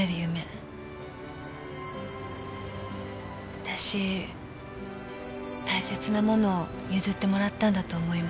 わたし大切なものを譲ってもらったんだと思います。